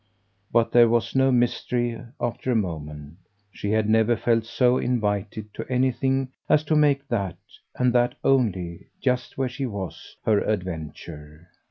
But there was no mystery after a moment; she had never felt so invited to anything as to make that, and that only, just where she was, her adventure.